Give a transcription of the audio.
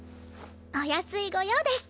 お安い御用です。